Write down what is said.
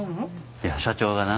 いや社長がな